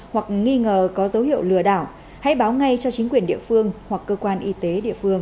hoặc nghi ngờ có dấu hiệu lừa đảo hãy báo ngay cho chính quyền địa phương hoặc cơ quan y tế địa phương